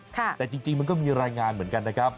แต่จริงมันก็มีรายงานเหมือนกันนะครับ